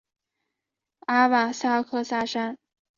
阿瓦萨克萨山。